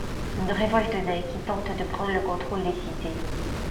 Une révolte naît qui tente de prendre le contrôle des cités.